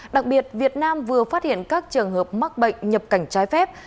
đặc biệt việt nam vừa phát hiện các trường hợp mắc bệnh nhập cảnh trái phép